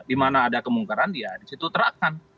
dimana ada kemungkaran ya disitu terakan